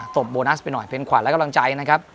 โบนัสไปหน่อยเป็นขวัญและกำลังใจนะครับ